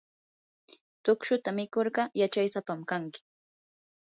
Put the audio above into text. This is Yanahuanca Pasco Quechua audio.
tukshuta mikurqa yachaysapam kanki.